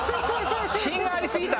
品がありすぎた。